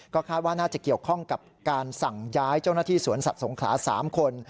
คาดว่าน่าจะเกี่ยวข้องกับการสั่งย้ายเจ้าหน้าที่สวนสัตว์สงขลา๓คน